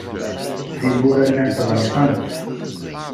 Tiwwura llant ɣelqent.